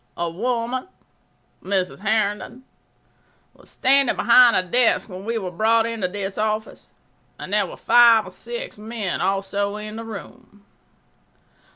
A woman [Mrs. Herndon] was standing behind a desk when we were brought into this office, and there were five or six men also in the room.